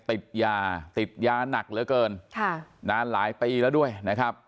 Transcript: ติดยาติดยาหนักเหลือเกินค่ะนานหลายปีแล้วด้วยนะครับ